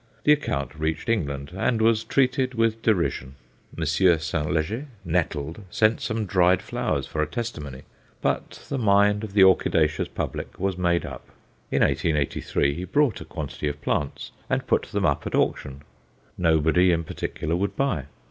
The account reached England, and was treated with derision. Monsieur St. Leger, nettled, sent some dried flowers for a testimony; but the mind of the Orchidaceous public was made up. In 1883 he brought a quantity of plants and put them up at auction; nobody in particular would buy.